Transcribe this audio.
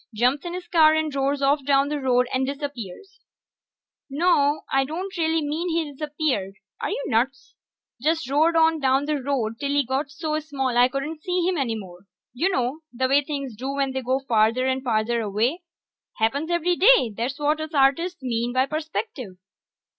Jumps in his car and roars off down the road and disappears. Naw, I don't mean he really disappeared are you nuts? Just roared on down the road till he got so small I couldn't see him no more. You know the way things do when they go farther and farther away. Happens every day; that's what us artists mean by perspective.